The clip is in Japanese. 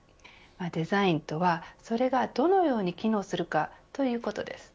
デザインとはそれがどのように機能するかということです。